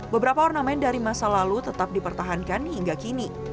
semen dari masa lalu tetap dipertahankan hingga kini